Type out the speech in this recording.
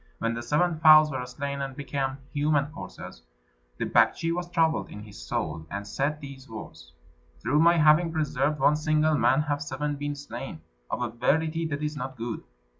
When the seven fowls were slain and become human corses, the Baktschi was troubled in his soul, and said these words, "Through my having preserved one single man have seven been slain. Of a verity this is not good."